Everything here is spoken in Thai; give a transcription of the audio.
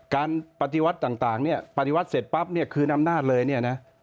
การปฏิวัติต่างเนี่ยปฏิวัติเสร็จปั๊บเนี่ยคืนอำนาจเลยเนี่ยนะ